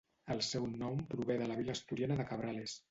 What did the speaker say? El seu nom prové de la vila asturiana de Cabrales.